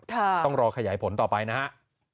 ต้องรอขยายผลต่อไปนะฮะ